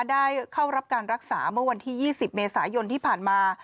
ได้เข้ารับการรักษาเมื่อวันที่๒๐เมษายนที่ผ่านมา